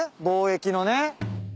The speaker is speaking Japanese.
貿易のね。